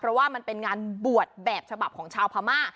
เพราะว่ามันเป็นงานบวชแบบฉบับของชาวพม่า